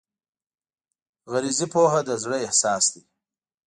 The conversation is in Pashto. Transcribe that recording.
غریزي پوهه د زړه احساس دی.